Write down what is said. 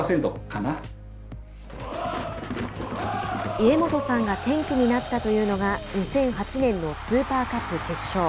家本さんが転機になったというのが２００８年のスーパーカップ決勝。